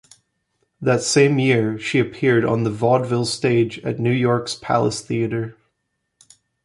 That same year, she appeared on the vaudeville stage at New York's Palace Theatre.